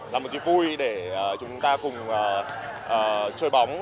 là một dịp vui để chúng ta cùng chơi bóng